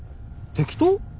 適当？